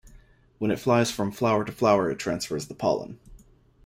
When it flies from flower to flower, it transfers the pollen.